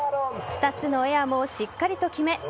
２つのエアもしっかりと決め